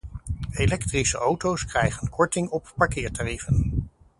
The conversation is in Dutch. Elektrische auto’s krijgen korting op parkeertarieven.